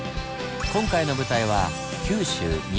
今回の舞台は九州・宮崎。